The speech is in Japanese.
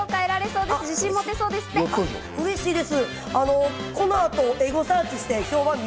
うれしいです。